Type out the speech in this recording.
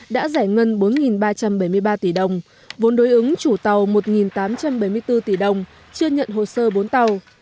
đã giải ngân bốn ba trăm bảy mươi ba tỷ đồng vốn đối ứng chủ tàu một tám trăm bảy mươi bốn tỷ đồng chưa nhận hồ sơ bốn tàu